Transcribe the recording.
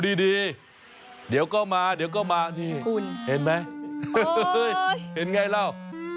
ดูดีเดี๋ยวก็มานี่เห็นไหมเห็นไงเล่า